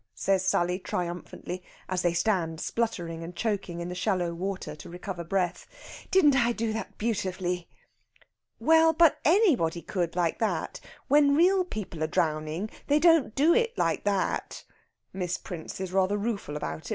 says Sally triumphantly, as they stand spluttering and choking in the shallow water to recover breath. "Didn't I do that beautifully?" "Well, but anybody could like that. When real people are drowning they don't do it like that." Miss Prince is rather rueful about it.